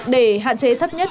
để hạn chế thấp nhất